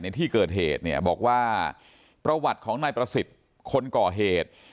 ในที่เกิดเหตุเนี่ยบอกว่าประวัติของนายประสิทธิ์คนก่อเหตุ